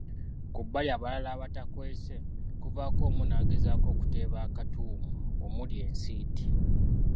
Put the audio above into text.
Ku bali abalala abatakwese, kuvaako omu n’agezaako okuteeba akatuumu omuli ensiiti.